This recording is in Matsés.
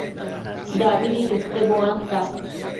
dabidi quete buanta